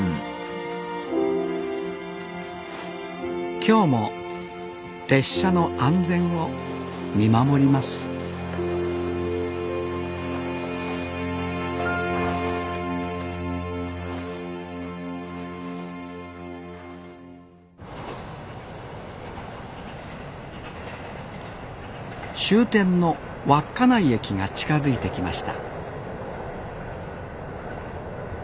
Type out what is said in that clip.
今日も列車の安全を見守ります終点の稚内駅が近づいてきました